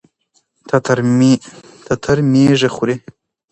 تتر ميږي خوري.